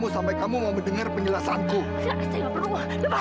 sampai jumpa di video selanjutnya